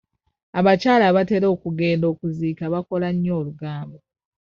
Abakyala abatera okugenda okuziika bakola nnyo olugambo.